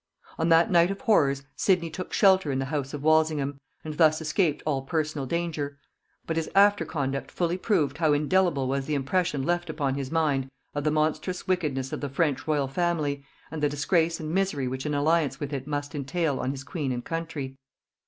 On that night of horrors Sidney took shelter in the house of Walsingham, and thus escaped all personal danger; but his after conduct fully proved how indelible was the impression left upon his mind of the monstrous wickedness of the French royal family, and the disgrace and misery which an alliance with it must entail on his queen and country.